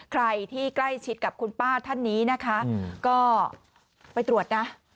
ใครที่ใกล้ชิดกับคุณป้าท่านนี้นะคะก็ไปตรวจนะ